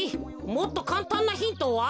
もっとかんたんなヒントは？